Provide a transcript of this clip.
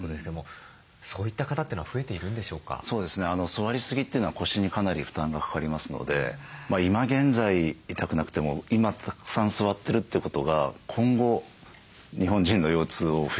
座りすぎというのは腰にかなり負担がかかりますので今現在痛くなくても今たくさん座ってるってことが今後日本人の腰痛を増やしていく。